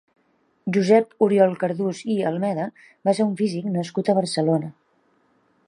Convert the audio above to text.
Josep Oriol Cardús i Almeda va ser un físic nascut a Barcelona.